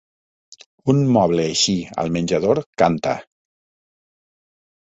Un moble així, al menjador, canta.